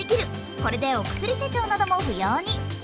これでお薬手帳なども不要に。